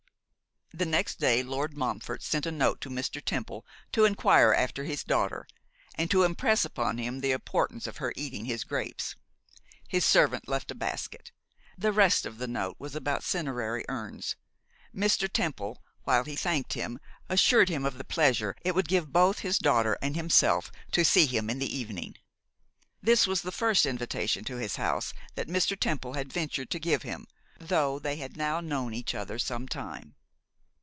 The next day Lord Montfort sent a note to Mr. Temple, to enquire after his daughter, and to impress upon him the importance of her eating his grapes. His servant left a basket. The rest of the note was about cinerary urns. Mr. Temple, while he thanked him, assured him of the pleasure it would give both his daughter and himself to see him in the evening. This was the first invitation to his house that Mr. Temple had ventured to give him, though they had now known each other some time.